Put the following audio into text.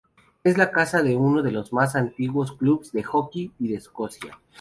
Es la casa de uno de los más antiguos clubs de hockey de Escocia.